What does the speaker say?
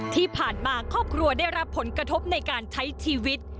ที่ผ่านมาครอบครัวได้รับผลกระทบในการใช้ชีวิต